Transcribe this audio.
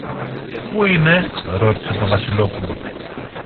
Πού είναι; ρώτησε το Βασιλόπουλο.